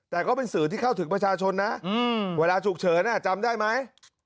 แต่ก็เป็นสื่อที่เข้าถึงประชาชนนะเวลาฉุกเฉินจำได้ไหม